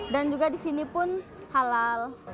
dan juga di sini pun halal